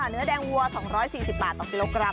เนื้อแดงวัว๒๔๐บาทต่อกิโลกรัม